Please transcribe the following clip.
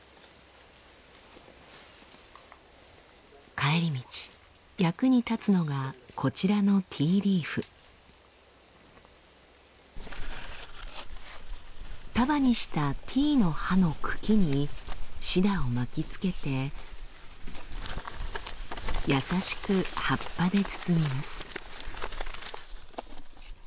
帰り道役に立つのがこちらの束にしたティーの葉の茎にシダを巻きつけて優しく葉っぱで包みます。